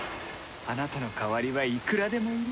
あなたの代わりはいくらでもいる。